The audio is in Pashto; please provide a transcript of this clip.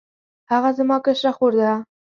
هغه زما کشره خور ده